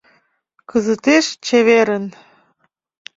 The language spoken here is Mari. Кызытеш чеверын!..